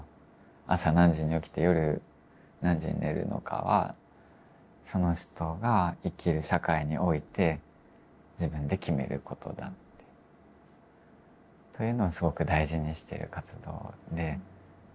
朝何時に起きて夜何時に寝るのかはその人が生きる社会において自分で決めることだって。というのをすごく大事にしている活動で。